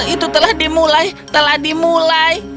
itu telah dimulai